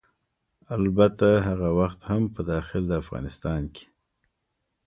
البته هغه وخت هم په داخل د افغانستان کې